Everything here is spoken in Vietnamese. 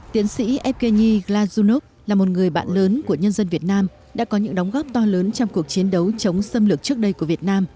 tiến sĩ eveni ga lazunov là một người bạn lớn của nhân dân việt nam đã có những đóng góp to lớn trong cuộc chiến đấu chống xâm lược trước đây của việt nam